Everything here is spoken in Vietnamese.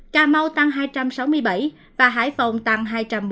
cà mau tăng hai trăm sáu mươi bảy và hải phòng tăng hai trăm một mươi bảy